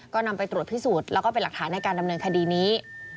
ก็นำไปตรวจพิสูจน์แล้วก็เป็นหลักฐานในการดำเนินคดีนี้